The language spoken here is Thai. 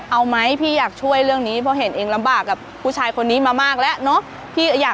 เอาไหมพี่อยากช่วยเรื่องนี้เพราะเห็นเองลำบากกับผู้ชายคนนี้มามากแล้วเนอะ